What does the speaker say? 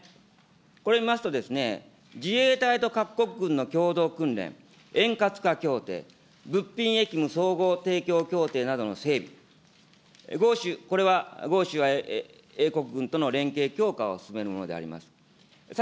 これ見ますとですね、自衛隊と各国軍の共同訓練、円滑化協定、物品役務相互提供協定整備、豪州、これは豪州は英国軍との連携強化を進めるものであります。